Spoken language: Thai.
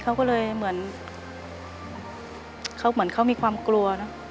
เขาก็เลยเหมือนเขาเหมือนเขามีความกลัวเนอะ